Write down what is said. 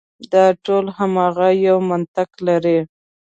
دا ټول هماغه یو منطق لري.